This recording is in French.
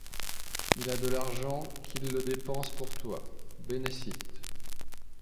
Il a de l’argent, qu’il le dépense pour toi! bene sit !